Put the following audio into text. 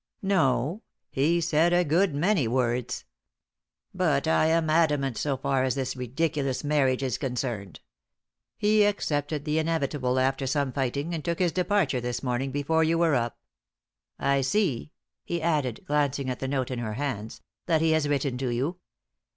"No; he said a good many words. But I am adamant, so far as this ridiculous marriage is concerned. He accepted the inevitable after some fighting, and took his departure this morning before you were up. I see," he added, glancing at the note in her hands, "that he has written to you."